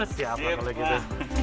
siap lah kalau gitu